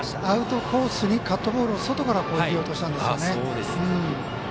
アウトコースにカットボールを外から入れようとしたんですよね。